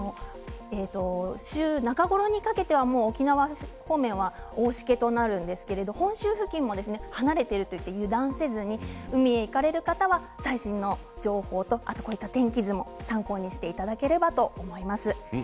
週の中頃にかけての沖縄方面は大しけとなるんですが本州付近も離れていると油断せずに海に行かれる方は最新の情報と天気図も参考にしていただければと思います。